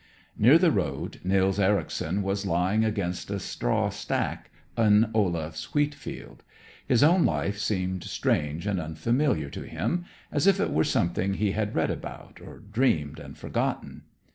Near the road, Nils Ericson was lying against a straw stack in Olaf's wheat field. His own life seemed strange and unfamiliar to him, as if it were something he had read about, or dreamed, and forgotten.